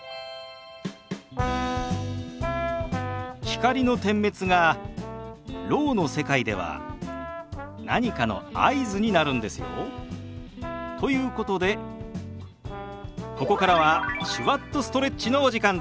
光の点滅がろうの世界では何かの合図になるんですよ。ということでここからは「手話っとストレッチ」のお時間です。